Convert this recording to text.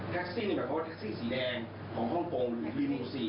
แท็กซี่นี่แปลว่าแท็กซี่สีแดงของฮ่องโปรงหรือบีนิวซี